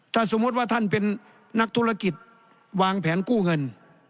ถ้าสมมุติว่าท่านเป็นนักธุรกิจวางแผนกู้เงิน